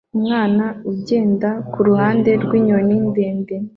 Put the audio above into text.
Umwana ugenda kuruhande rwinyoni ndende